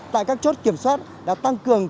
tại các chốt kiểm soát đã tăng cường